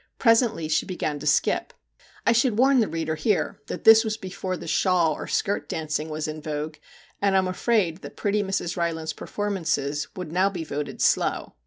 Presently she began to skip. I should warn the reader here that this was before the ' shawl ' or * skirt ' dancing was in vogue, and I am afraid that pretty Mrs. Rylands's performances would now be voted slow.